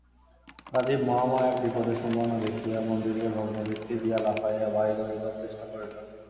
রাজীব মহামায়ার বিপদের সম্ভাবনা দেখিয়া মন্দিরের ভগ্নভিত্তি দিয়া লাফাইয়া বাহির হইবার চেষ্টা করিল।